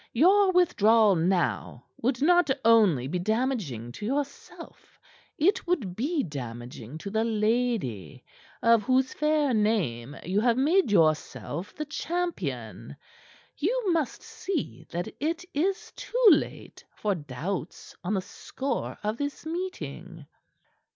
Your withdrawal now would not only be damaging to yourself; it would be damaging to the lady of whose fair name you have made yourself the champion. You must see that it is too late for doubts on the score of this meeting."